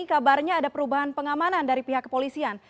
kabarnya ada perubahan pengamanan dari pihak kepolisian